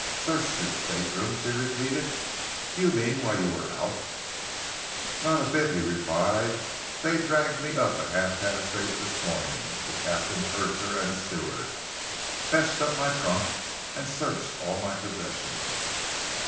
"Searched your stateroom?" she repeated. "Do you mean while you were out?" "Not a bit of it," he replied. "They dragged me up at half past eight this morning the captain, purser and a steward fetched up my trunk and searched all my possessions."